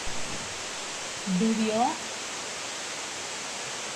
¿bebió?